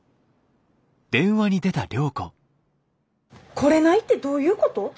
来れないってどういうこと？